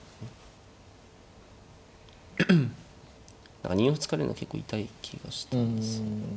何か２四歩突かれるのは結構痛い気がしたんですよね。